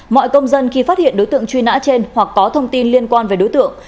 mọi công dân khi phát hiện đối tượng truy nã trên hoặc có thông tin liên quan về đối tượng